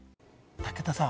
武田さん